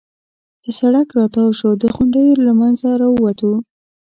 چې سړک را تاو شو، د غونډیو له منځه را ووتو.